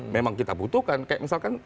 memang kita butuhkan kayak misalkan